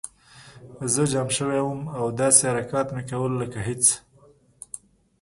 زه جام شوی وم او داسې حرکات مې کول لکه هېڅ